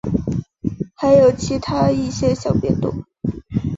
还有其它一些小变动。